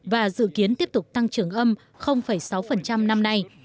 và dự kiến tiếp tục tăng trưởng âm sáu năm nay